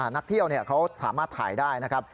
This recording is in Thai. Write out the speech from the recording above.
นักเที่ยวเขาสามารถถ่ายได้นะครับ